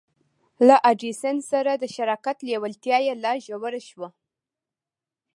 له ايډېسن سره د شراکت لېوالتیا يې لا ژوره شوه.